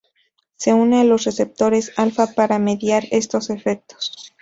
Se une a los receptores alfa para mediar estos efectos.